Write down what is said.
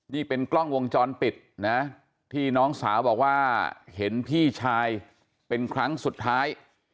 นี่เป็นกล้องวงจรปิดนะที่น้องสาวบอกว่าเห็นพี่ชายเป็นครั้งสุดท้าย